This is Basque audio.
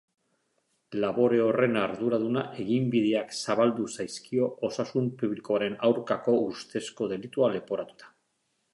Labore horren arduraduna eginbideak zabaldu zaizkio osasun publikoaren aurkako ustezko delitua leporatuta.